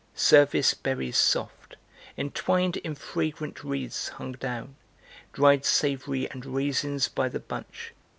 Service berries soft, Entwined in fragrant wreaths hung down, Dried savory and raisins by the bunch.